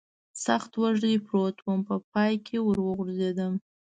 سخت وږی پروت ووم، په پای کې ور وغورځېدم.